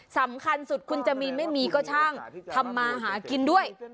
สำคัญสุดคุณจะมีไม่มีก็ช่างทำมาหากินด้วย